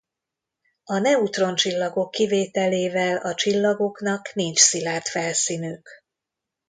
A neutroncsillagok kivételével a csillagoknak nincs szilárd felszínük.